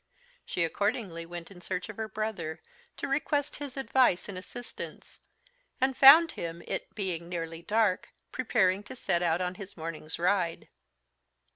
She accordingly went in search of her brother, to request his advice and assistance, and found him, it being nearly dark, preparing to set out on his morning's ride.